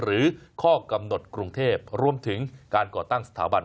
ข้อกำหนดกรุงเทพรวมถึงการก่อตั้งสถาบัน